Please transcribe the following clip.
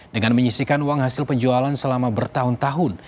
dengan menyisikan uang hasil penjualan selama bertahun tahun